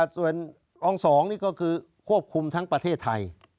ส่วนอง๒นี่ก็คือควบคุมทั้งประเทศไทย